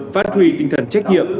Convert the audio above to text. phát huy tinh thần trách nhiệm